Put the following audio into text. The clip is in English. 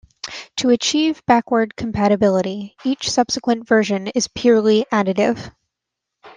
To achieve backward compatibility, each subsequent version is purely additive.